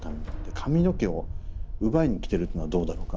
髪の毛を奪いに来てるってのはどうだろうか。